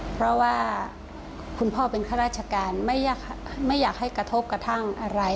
เพราะว่าคุณพ่อเป็นข้าราชการไม่อยากให้กระทบกระทั่งอะไร